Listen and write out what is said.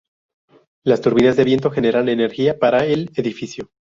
Las turbinas de viento generan energía para el edificio.